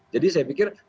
jadi saya pikir